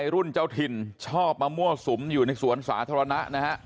รุ่นเจ้าถิ่นชอบมามั่วสุมอยู่ในสวนสาธารณะนะฮะ